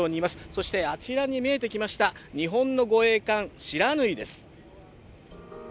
そしてあちらに見えてきました日本の護衛艦「しらぬい」です。